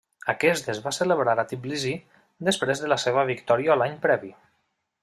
Aquest es va celebrar a Tbilissi després de la seva victòria l'any previ.